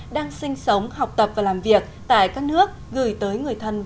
đang sinh sống học tập và làm việc tại các nơi khác